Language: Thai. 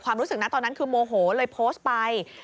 รู้สึกนะตอนนั้นคือโมโหเลยโพสต์ไป